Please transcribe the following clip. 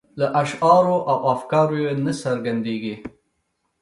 له اشعارو او افکارو یې نه څرګندیږي.